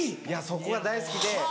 そこが大好きで。